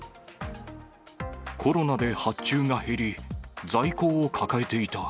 コロナで発注が減り、在庫を抱えていた。